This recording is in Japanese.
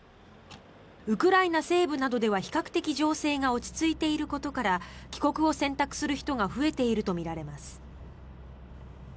ウクライナ西部などでは比較的、情勢が落ち着いていることなどから帰国を選択する人が増えているとみられます。